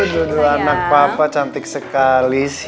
aduh aduh anak papa cantik sekali sih